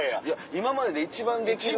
今までで一番できる。